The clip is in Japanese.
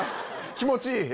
気持ちいい？